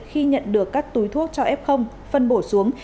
khi nhận được các túi thuốc cho ép không phân bổ xuống